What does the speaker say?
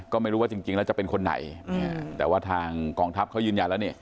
ก็ไม่รู้ว่าจริงแล้วจะเป็นคนไหนแต่ว่าทางกองทัพเขายืนยันแล้วนี่